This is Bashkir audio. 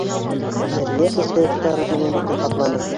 - Мәрйә кескәй устары менән битен ҡапланы.